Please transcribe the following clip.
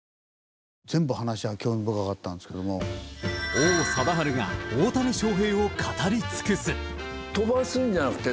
王貞治が大谷翔平を語り尽くす。